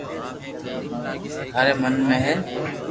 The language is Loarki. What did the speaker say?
ٿاري من ۾ ھي